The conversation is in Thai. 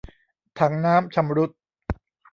ถังน้ำชำรุด